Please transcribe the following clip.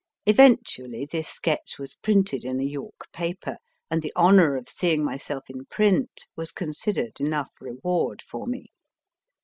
Eventually this sketch was printed in a York paper, and the honour of seeing myself in print was considered enough reward for me.